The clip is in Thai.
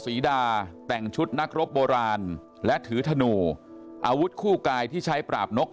ศรีดาแต่งชุดนักรบโบราณและถือธนูอาวุธคู่กายที่ใช้ปราบนก